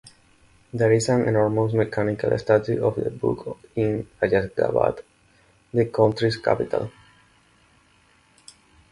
There is an enormous mechanical statue of the book in Ashgabat, the country's capital.